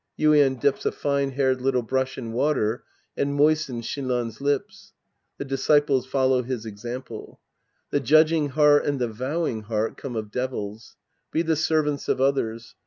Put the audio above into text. (YuiEN dips a fine haired little brush in water and moistens Shinran's lips. The disciples follow his example!) The judging heart and the vowing heart come of devils. Be the servants of others.